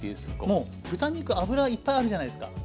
もう豚肉脂いっぱいあるじゃないですか。